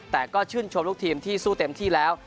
แต่ก็ชื่นชมลูกทีมที่สู้เต็มที่แล้ว